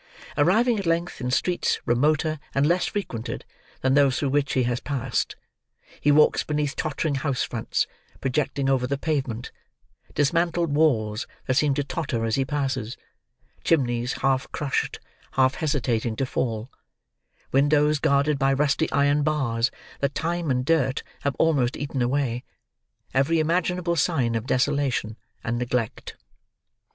Arriving, at length, in streets remoter and less frequented than those through which he has passed, he walks beneath tottering house fronts projecting over the pavement, dismantled walls that seem to totter as he passes, chimneys half crushed half hesitating to fall, windows guarded by rusty iron bars that time and dirt have almost eaten away, every imaginable sign of desolation and neglect.